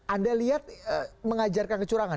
anda lihat mengajarkan kecurangan